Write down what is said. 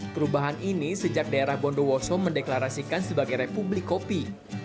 perubahan ini sejak daerah bondowoso mendeklarasikan sebagai republik kopi